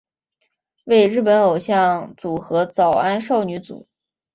为日本偶像组合早安少女组。